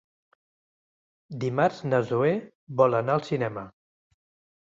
Dimarts na Zoè vol anar al cinema.